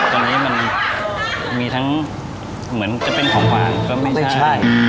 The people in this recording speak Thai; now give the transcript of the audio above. ตอนนี้มันมีทั้งเหมือนจะเป็นของวางก็ไม่ใช่